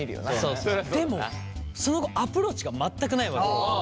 そうそうでもその後アプローチが全くないわけよ。